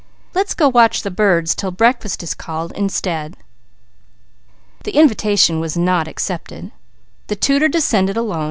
Let's go watch the birds till breakfast is called, instead." The invitation was not accepted. The tutor descended alone.